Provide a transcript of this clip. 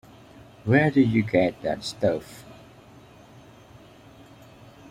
Where do you get that stuff?